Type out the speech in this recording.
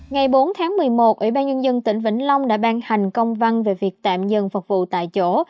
ngày bốn tháng một mươi một ủy ban nhân dân tỉnh vĩnh long đã ban hành công văn về việc tạm dừng phục vụ tại chỗ